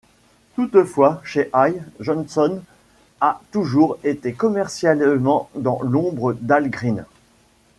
Toutefois chez Hi, Johnson a toujours été commercialement dans l'ombre d'Al Green.